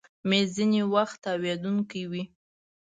مېز ځینې وخت تاوېدونکی وي.